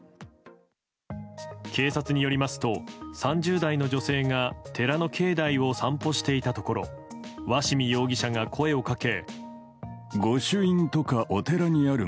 警察によりますと３０代の女性が寺の境内を散歩していたところ鷲見容疑者が声をかけ。